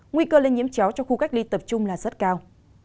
nguy cơ lên nhiễm chéo cho khu gác ly tập trung là rất cao